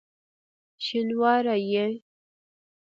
شینواری یې؟!